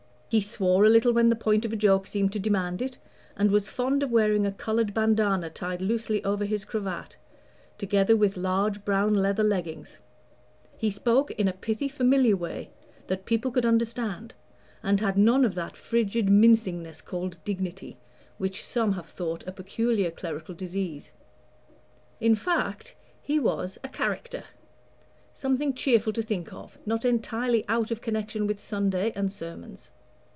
He swore a little when the point of a joke seemed to demand it, and was fond of wearing a colored bandana tied loosely over his cravat, together with large brown leather leggings; he spoke in a pithy familiar way that people could understand, and had none of that frigid mincingness called dignity, which some have thought a peculiar clerical disease. In fact, he was "a charicter " something cheerful to think of, not entirely out of connection with Sunday and sermons.